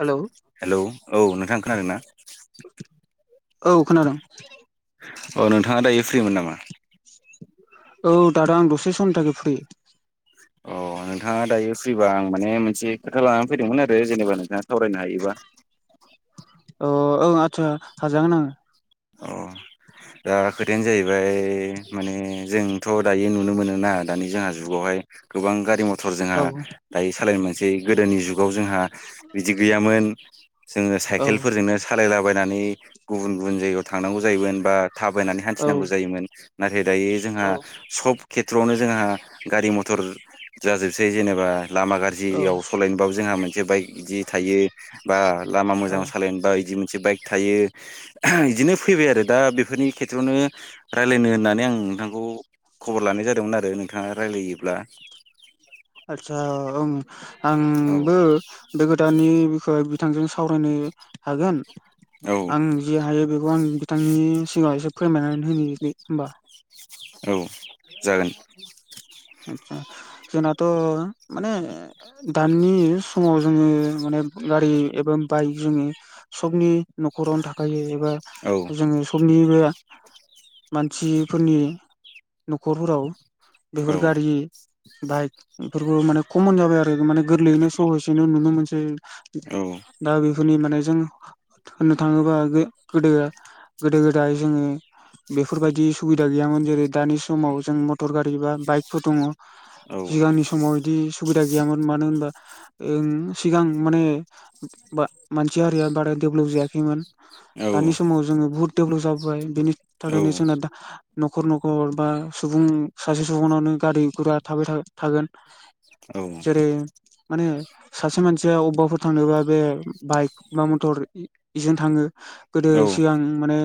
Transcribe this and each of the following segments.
Hello hello औ नोंथां खोनादों ना औ खोनादों औ नोंथाङा दायो फ्रिमोन नामा? औ दादा आं दसे सम थाखाय फ्रि अ' नोंथाङा दायो फ्रिबा आं माने मोनसे खोथा लानानै फैदोंमोन आरो जेनेबा नोंथाङा सावरायनो हायोबा [inaudible] अ ओ आदसा हाजागोन आङो अ दा खोथायानो जाहैबाय माने जोंथ' दायो नुनो मोनो ना दानि जोंहा जुगावहाय गोबां गारि मथर मटर जोंहा औ दायो सालायनो मोनसै गोदोनि जुगाव जोंहा बिदि गैयामोन जोङो औ साइकेलफोरजोंनो सालायलाबायनानै गुबुन गुबुन जायगायाव थांनांगौ जायोमोन बा थाबायनानै औ हान्थिनांगौ जायोमोन नाथाय दायो जोंहा औ सब खेथ्र'आवनो जोंहा गारि- मथर जाजोबसै जेनेबा लामा औ गाज्रियाव सालायनोबाबो जोंहा मोनसे बाइक बिदि थायो बा लामा औ मोजाङाव सालायनो बा बिदि मोन बाइक थायो बिदिनो फैबाय आरो दा बेफोरनि खेथ्रआवनो राय्लायनो होननानै आं नोंथांखौ खबर लानाय जादोंमोन आरो नोंथाङा रायलायोब्ला आदसा औ औ आंबो बे गोदाननि बिखय बिथांजों सावरायनो हागोन औ आं जे हायो बेखौ आं बिथांनि सिगाङाव एसे फोरमायनानै होनो होमबा औ जागोन आतसा जोंनाथ' माने दानि समाव जोङो माने गारि एबा बाइक जोंनि सबनि न'खरावनो था । खायो एबा औ जोङो समनिबो । मानसिफोरनि न'खरफोराव बेफोर औ गारि। बाइक बेफोरबो माने कमन जाबाय आरो माने गोरलैयैनो सहसयैनो नुनो मोनसै। औ दा बेफोरनि माने जों । होननो थाङोबा गोदो गोदो गोदाय जोङो । बेफोरबायदि सुबिदा गैयामोन जेरै दानि समाव जों मटर गारि एबा। बाइकफोर दङ औ सिगांनि समाव बिदि। सुबिदा गैयामोन मानो होनब्ला सिगां माने बा मानसि हारिया बादाय। डेभलप जायाखैमोन औ दानि समाव जोङो बहुत डेभलप जाबोबाय बेनि औ थाखायनो जोंना दा न'खर न'खर बा सुबुं सासे सुबुंनावनोगारि गुरा थाबाय थागोन औ जेरै माने सासे मानसिया अबाफोर थांनोबा बे बाइक बा मटरजों इजों थाङो गोदो औ सिगां माने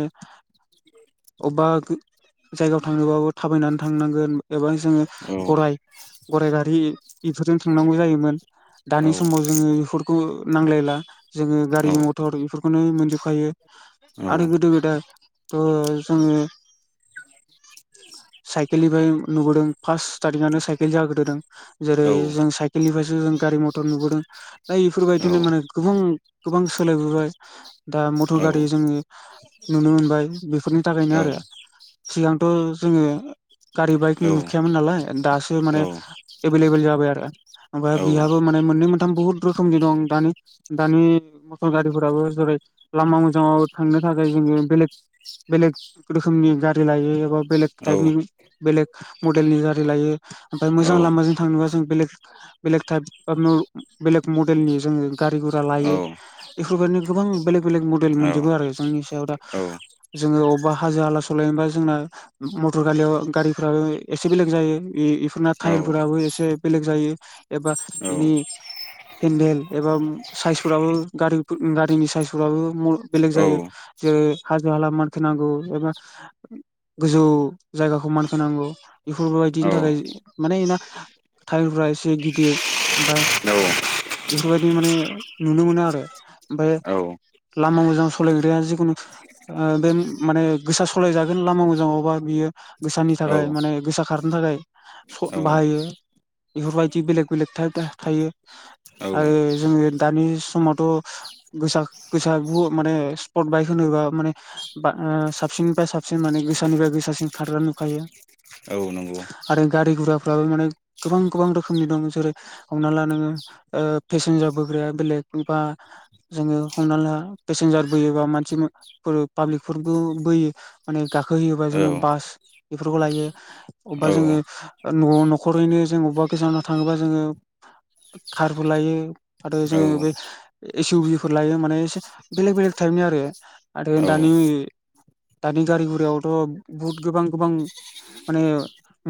अबा । जायगायाव थांनोबाबो थाबायनानै थांनांगोन एबा जोङो गराय गराइ गारि इफोरजों थांनांगौ जायोमोन दानि समाव जोङो इफोरखौ नांलायला जोङो गारि मथर बेफोरखौनो मोनजोबखायो औ आरो औ गोदो गोदाय । थ' जोङो साइकेलनिफ्राय नुबोदों फारस स्टारटिं आनो साइकेल जाग्रोदों औ औ जेरै जों साइकेलनिफ्राय जों गारि मथर नुबोदों दा बेफोरबायदिनो माने गोबां गोबां सोलायबोबाय दा मटर गारि जोङो नुनो मोनबाय बेफोरनि थाखायनो आरो सिगां। जोङो गारि बाइक नुखायामोन नालाय दासो माने । एबोललेबोल जाबाय आरो ओमफाय बि माने मोन मोन। बुहुत रोखोमनि दं दा दानि मथर गारिफोराबो जेरै लामा मोजाङाव थांनो । थाखाय जोङो बेलेग बेलेग रोखोमनि गारि लायो एबा बेलेग टाइपनि बेलेग‌। मडेलनि दारि लायो ओमफ्राय मोजां लामाजों थांनोबा जों बेलेग बेलेग टाइप । बेलेग मडेलनि जोङो गारि गुरा लायो इफोरबायदिनो गोबां बेलेग बेलेग मडेल मोनजोबो आरो जों इनि सायाव दा जोडों अबा हाजो हाला सलायनोब्ला जोंना मथर गारियाव गारि फोराबो एसे बेलेग जायो इफोरना टायारफोराबो एसे बेलेग जायो एबा बेनि हेन्देल एबा‌ ओम साइसफोराबो गारि गारिनि साइसफोराबो बेलेग जायो जेरै हाजो हाला मानखोनांगौ एबा गोजौ जायगाखौ मानखो होनांगौ बेफोरबायदिनि थाखाय माने इना टाइदफोरा एसे गिदिर ओमफ्राय बेफोरबायदि माने नुनो मोनो आरो ओमफ्राय लामा मोजां सालायग्राया जिखुनु ओ बे माने गोसा सालायजागोन लामा मोजाङावबा बियो गोसानि थाखाय माने गोसा खारनो थाखाय बाहायो। बेफोरबायदि बेलेक बेलेक टाइप थायो आरो जोङो दानि समावथ' गोसा गोसा माने स्पर्ट बाइक होनोबा ओ माने बा साबसिननिफ्राय साबसिन माने गोसानिफ्राय गोसासिन खारग्रा नुखायो औ नंगौ। आरो गारि गुराफ्राबो माने गोबां गोबां रोखोमनि दं जेरै हमना ला नोङो ओ पेसेन्जार बोग्राया बेलेग बा जोङो हमना ला पेसेन्जार बोयोबा मानसि ‌मो ओ पाब्लिकफोरबो बोयो माने गाखो होयोबा जोङो औ बास बेफोरखौ लायो अबेबा जोङो' औ न-न'खरैनो जों अबेबा गोजानाव थाङोबा जोङो। कारबो लायो आरो जोङो औ बेस इउ बि फोर लायो माने एसे बेलेक बेलेक टाइपनि आरो आरो औ दानि दानि गारिगुरियावथ' बहुद गोबां गोबां माने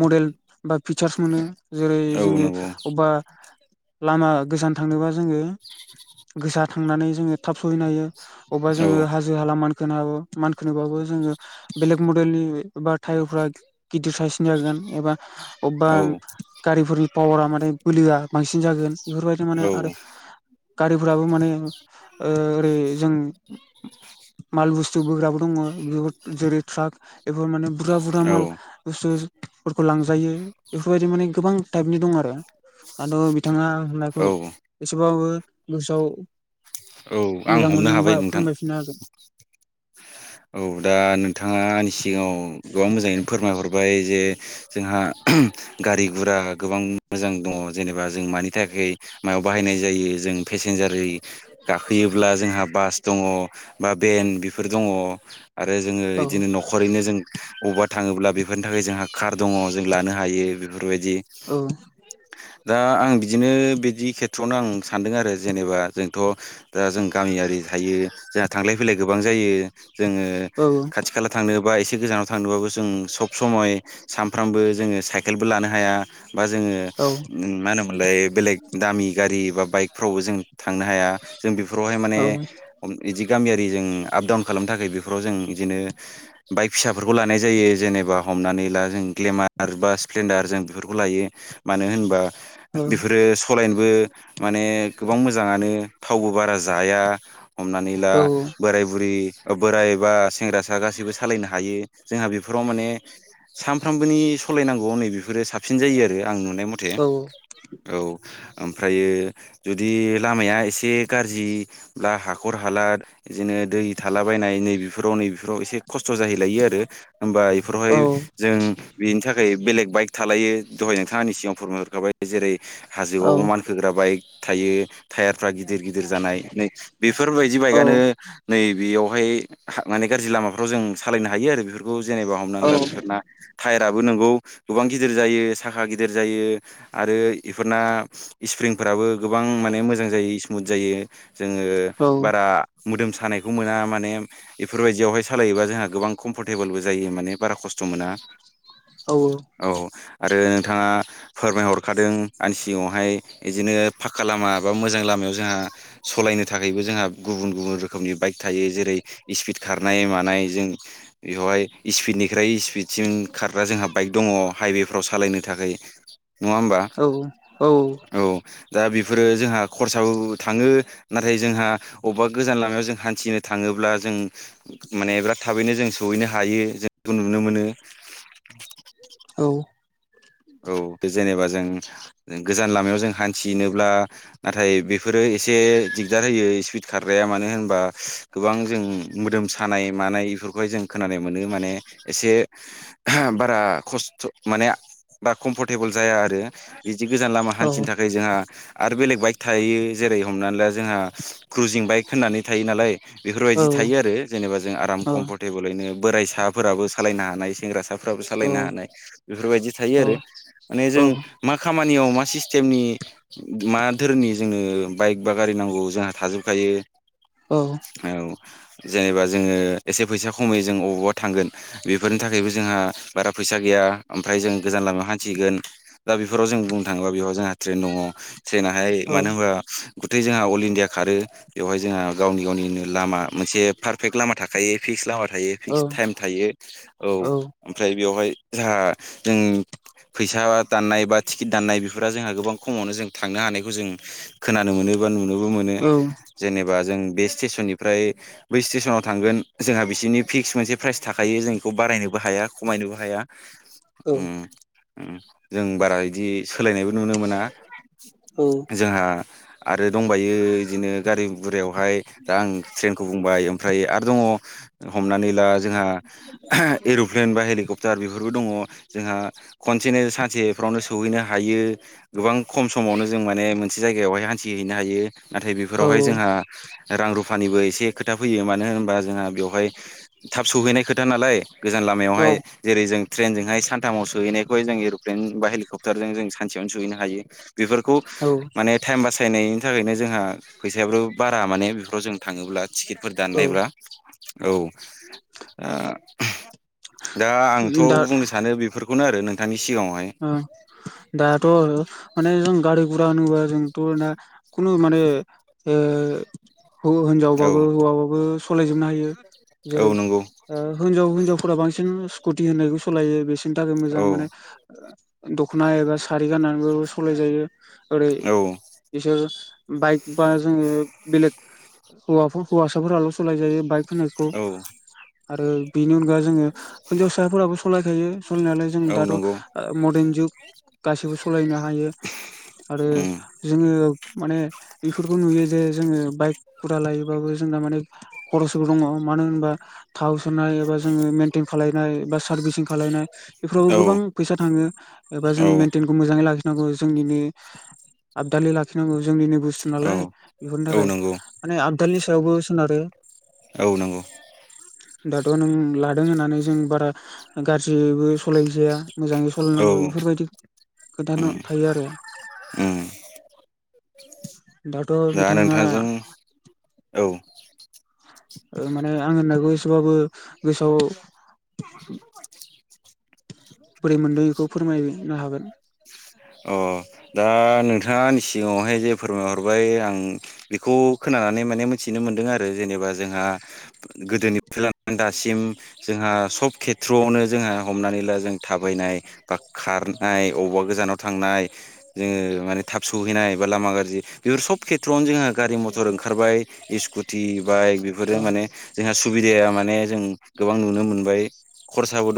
मडेल बा फिचार्स मोनो जेरै औ जोङो नंगौ अबेबा लामा गोजान थांनोबा जोङो गोसा थांनानै जोङो थाब सहैनो हायो अबेबा औ जोङो हाजो हाला मानखोनाबो मानखोनोबो जोङो बेलेग मडेलनि बा टायारफ्रा गिदिर साइसनि जागोन एबा अबेबा औ गारिफोरनि पावारा माने बोलोआ बांसिन जा गोन बेफोरबायदि माने औ आरो गारिफोराबो माने ओ ओरै जों माल बुस्थु बोग्राबो दङ बेफोर जेरै ट्राक बेफोर माने बुरजा बुरजा माल औ बुसथुफोरखौ लांजायो बेफोरबायदि माने गोबां टाइपनि दं आरो दाथ' बिथां नङा होननायखौ एसेबाबो गोसोआव औ आं मोजां हमनो मोनदोंबा हाबाय नोंथां फोरमायफिननो हागोन औ दा नोंथाङा आंनि सिगाङाव गोबां मोजाङैनो फोरमायहर ओमफाय जे जोंहा गारि गुरा गोबां मोजां दङ जेनेबा जों मानि थाखाय मायाव बाहायनाय जायो जों पेसेन्जार गाखोयोब्ला जोंहा बास दङ बा बेन्ड बेफोर दङ आरो जोङो औ बिदिनो न'खरैनो जों बबावबा थाङोब्ला बेफोरनि थाखाय जोंहा कार दङ जों लानो हायो बेफोरबायदि औ दा आं बिदिनो बिदि थ्रआवनो आं सानदों आरो जेनेबा जोंथ' दा जों गामियारि थायो जोंहा थांलाय फैलाय गोबां जायो जोङो खाथि खाला थांनो बा एसे खा गोजानाव थांनोबाबो जों सब समय सानफ्रामबो जोङो साइकेलबो लानो हाया बा जोङो औ मा होनोमोनलाय बेलेग दामि गारि बा बाइकफ्रावबो जों थांनो हाया जों बेफोरावहाय माने बिदि गामियारि जों आपडाउन खालामनो थाखाय थाखाय बेफोराव जों बिदिनो बाइक फिसाफोरखौ लानाय जायो जेनेबा हमनानै ला जों ग्लेमार बा स्प्लेन्डार जों बेफोरखौ लायो मानो होनबा औ बेफोरो सालायनोबो माने गोबां मोजाङानो थावबो बारा जाया हमनानै ला औ बोराय बुरि बोराय बा सेंग्रा सिख्ला गासिबो सालायनो हायो जोंहा बेफोराव माने सानफ्रोमबोनि सालायनांगौ नैेफोरो साबसिन जायो आरो आं नुनो नाय मथे औ औ ओमफ्रायो जुदि लामाया एसे गाज्रिब्ला हाखर हालाद बिदिनो दै थालाबायनाय नैबेफोराव नैबेफोराव एसे खस्थ' जाहैलायो आरो होमबा बेफोरावहाय जों बेनि थाखाय बेलेग बाइक थालायो दहाय नोंथांनि सिगाङाव फोरमायहरखाबाय जेरै औ हाजोआव मानखोग्रा बाइक थायो टायारफ्रा गिदिर गिदिर जानाय नै बेफोरबायदि औ बाइकानो नै बेयावहाय माने गाज्रि लामा फ्राव जों सालायनो हायो आरो बेफोरखौ जेनेबा हमनानै औ ला बेफोर था दाबो नोंगौ गोबां गिदिर जायो साखा गिदिर जायो आरो बेफोरना स्प्रिं फोराबो गोबां माने मोजां जायो स्मुथ जायो जों बारा मोदोम बेखौ मोना माने बेफोरबायदियावहाय सालायोबा जोंहा गोबां कमफरटेबोलबो जायो माने बारा खस्थ' मोना औ आरो नोंथाङा फोरमायहरखादों आंनि सिगाङावहाय बिदिनो फाखखा लामा बा मोजां लामायाव जोंहा सालाय बायनो थाखायबो जोंहा गुबुन गुबुन रोखोमनि बाइक थायो जेरै स्पिड खारनाय मानाय जों बेवहाय स्पिडनिफ्राय स्पिडसिम खारग्रा जोंहा बाइक दङ हाइवेफ्राव सालायनो थाखाय नङा होमबा औ औ औ दा बेफोरो जोंहा खरसाबो थाङो नाथाय जोंहा अबेबा गोजान लामायाव जों थिनो थाङोब्ला जों माने बिराद थाबैनो जों सहैनो हायो जों बेखौ नुनो मोनो [inaudible] औ औ जेनेबा जों गोजान लामायाव जों हान्थिनोब्ला नाथाय बे फोरो एसे दिग्दार होयो स्पिड खारग्राया मानो होनबा गोबां जों मोदोम सानाय मानाय बेफोरखौहाय जों खोनानाय मोनो माने एसे बारा खस्थ' माने बा कम्फर्टेबोल जाया आरो बिदि गोजान लामा हान्थिनो औ थाखाय जोंहा आरो बेलेग बाइक थायो जेरै हमनानै ला जोंहा क्रुजिं बाइक होननानै थायो नालाय बेफोरबायदि थायो आरो जेनेबा जों आराम औ कम्फरटेबोलैनो बोराइसाफोराबो सालायनो हानाय सेंग्रासाफोराबो सालायनो हानाय बेफोरबायदि थायो आरो माने जों मा खालाम खामानियाव मा सिस्टेमनि मा धोरोमनि जोंनो बाइक बा गारि नांगौ जोंहा थाजोबखायो औ जेनेबा जोङो एसे फैसा खमै जों अबावबा थांगोन बेफोरनि थाखायबो जोंहा बारा फैसा गैया बा ओमफ्राय जों गोजान लामायाव हान्थिगोन दा बेफोराव जों बुंनो थाङोबा बेयाव जोंहा ट्रेन दङ जैनाहाय मानो होनबा गथै जोंहा अल इण्डिया खारो बेवहाय जोंहा गावनि गावनिनो लामा मोनसे पारफेक्ट लामा थाखायो फिक्स लामा थायो फिक्स टाइम थायो औ ओमफ्राय बेयावहाय जोंहा जों फैसा दाननाय बा टिकिट दाननाय बेफोरा जोंहा गोबां खमावनो जों थांनो हानायखौ जों खोनानो मोनो बा नुनोबो मोनो औ जेनेबा जों बेस्ट स्टेसननिफ्राय बै स्टेसनाव थांगोन जोंहा बिसोरनि फिक्स मोनसे प्राइस थाखायो जों बेखौ बारायनोबो हाया खमायनोबो हाया औ ओम जों बारा बिदि सोलायनायबो नुनो मोना औ जोंहा आरो दंबायो बिदिनो गारि गुरायावहाय दा आं ट्रेनखौ बुंबाय ओमफ्राय आर दङ हमनानै ला जोंहा एर'प्लेन बा हेलिकप्टार बेफोरबो दङ जोंहा खनसेनो सानसेफ्रावनो सौहैनो हायो गोबां खम समावनो जों माने मोनसे जायगायावहाय हान्थिहैनो हायो नाथाय बेफोरावहाय औ जोंहा रां रुफानिबो एसे खोथा फैयो मानो होनोबा जोंहा बेवहाय थाब सहैनाय खोथा नालाय गोजान लामायावहाय जेरै जों ट्रेनजोंहाय सान थामाव सहैनायहाय जों एर'प्लेन बा हेलिकप्टार जों सानसेयावनो सौहैनो हायो बेफोरखौ औ माने टाइम बासायनाय बिनि थाखायनो जोंहा फैसायाबो बारा माने बेफोराव जों थाङोब्ला टिकेटफोर औ दाननायब्ला औ दा आंथ' बुंनो सानो बे फोरनो आरो नोंथांनि अ दाथ' माने जों गारि गुरा होनोबा जोंथ' दा खुनु माने ओ औ हिनजावबाबो हौवाबाबो सालायजोबनो हायो औ जेरै नंगौ ओ हिनजाव हिनजाव फोरा बांसिन स्कुटि होननायखौ सालायो बिसोरनि थाखाय औ मोजां माने दख'ना एबा सारि गाननानैबो सालाय जायो ओरै औ बिसोर बाइक बा जोङो बेलेग हौवाफोर हौवासाफोराल' सालाय जायो बाइक फिायखौ औ आरो बेनि अनगा जोङो हिनजावसाफोराबो सालायखायो सलायनायालाय जों औ दाथ' नंगौ मर्दार्न जुग गासिबो सालाय ना हायो आरो उम जोङो माने बेफोरखौ नुयो जे जोङो बाइक गुरा लायोबाबो जोंना माने खरसबो दङ मानो होनबा थाव सोनाय एबा जोङो मेनटेन खालायनाय बा सार्भिसिं खालायनाय बेफोरावबो औ गोबां बहाबा थाङो एबा औ जोङो मेन्टेनखौ मोजाङै लाखिनांगौ जोंनिनो आबदालि लाखिनांगौ जोंनिनो बुस्थु औ नालाय बेफोरनि औ थाखाय नंगौ माने आबदालनि सायावबो सोनारो औ नंगौ दाथ' नों लादों होननानै जों बारा गाज्रिबो सलायजाया मोजाङै औ सालायनांगौ बेफोरबायदि खोथानो उम थायो आरो उम दाथ' दा बिथाङा नोंथांजों औ ओ माने आं होननायखौ एसेबाबो गोसोआव [unintelligible] बोरै मोनदों बेखौ फोरमायनो हागोन अ दा नोंथाङांनि सिगाङावहाय जे फोरमायहरबाय आं बेखौ खोन मिथिनो मोनदों आरो जेनेबा जोंहा गोदोनिफ्राय लानानै दासिम जोंहा सब खेथ्र'आवनो जोंहा हमनानै ला जों थाबायनाय बा खारनाय अबेबा गोजानाव थांनाय जोङो माने थाब सौहैनाय बा लामा गाज्रि बेफोर सब खेथ्रआवनो जोंहा गारि मथर ओंखारबाय स्कुटि बाइक बेफोर औ माने जोंहा सुबिद माने जों गोबां नुनो मोनबाय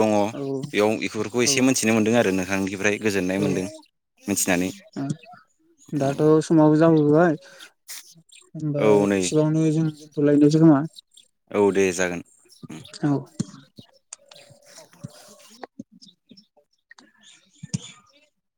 दङ औ बेयाव इफोरखौस जसे औ मिथिनो मोन्दों आरो नोंथांनिफ्राय गोजोननाय मोन्दों मिथिनानै औ दाथ' समाव जाबोबाय होनबा औ नै एसेयावनो जों बुलायदोंसो खोमा? औ दे जागोन। औ [inaudible] [inaudible]